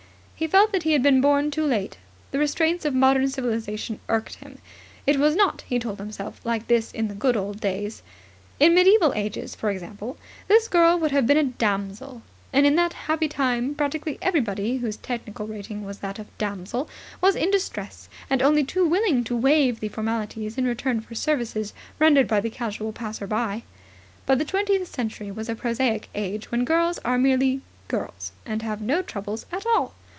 He felt that he had been born too late. The restraints of modern civilization irked him. It was not, he told himself, like this in the good old days. In the Middle Ages, for example, this girl would have been a Damsel; and in that happy time practically everybody whose technical rating was that of Damsel was in distress and only too willing to waive the formalities in return for services rendered by the casual passer by. But the twentieth century is a prosaic age, when girls are merely girls and have no troubles at all.